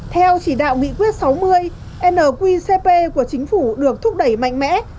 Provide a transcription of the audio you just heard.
theo chỉ đạo nghị quyết sáu mươi nqcp của chính phủ được thúc đẩy mạnh mẽ